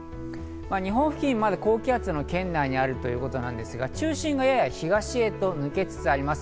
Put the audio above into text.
日本付近、ただ、高気圧の圏内にあるということですが、中心がやや東へと抜けつつあります。